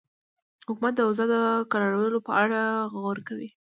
حکومت د اوضاع د کرارولو په اړه غور کوي.